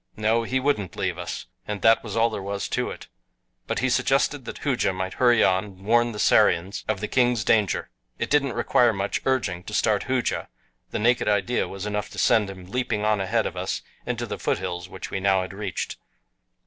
No, he wouldn't leave us, and that was all there was to it, but he suggested that Hooja might hurry on and warn the Sarians of the king's danger. It didn't require much urging to start Hooja the naked idea was enough to send him leaping on ahead of us into the foothills which we now had reached.